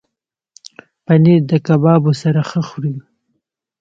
پنېر د کبابو سره ښه خوري.